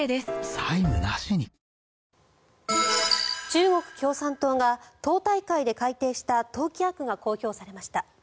中国共産党が党大会で改定した党規約が発表されました。